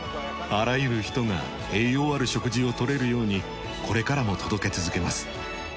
あらゆる人が栄養ある食事を取れるようにこれからも届け続けます。